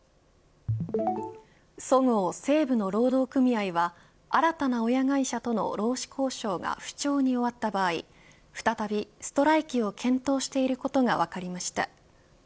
そごう・西武の労働組合は新たな親会社との労使交渉が不調に終わった場合、再びストライキを検討していることが分かりました。